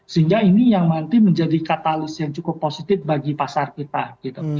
sehingga ini yang nanti menjadi katalis yang cukup positif bagi pasar kita gitu